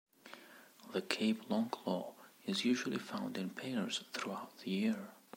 The Cape longclaw is usually found in pairs throughout the year.